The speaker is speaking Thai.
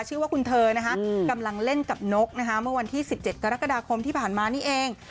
ชื่อว่าคุณเธอนะคะกำลังเล่นกับนกเมื่อวันที่๑๗กรกฎาคมที่ผ่านมานี่เอง